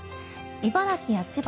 茨城や千葉